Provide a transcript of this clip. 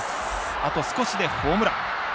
あと少しでホームラン。